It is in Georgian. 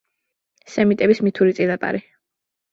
სემიტების მითური წინაპარი.